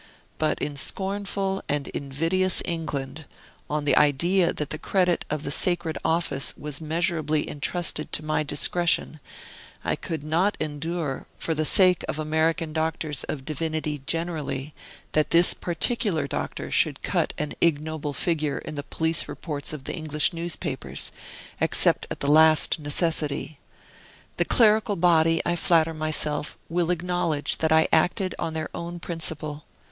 But in scornful and invidious England, on the idea that the credit of the sacred office was measurably intrusted to my discretion, I could not endure, for the sake of American Doctors of Divinity generally, that this particular Doctor should cut an ignoble figure in the police reports of the English newspapers, except at the last necessity. The clerical body, I flatter myself, will acknowledge that I acted on their own principle.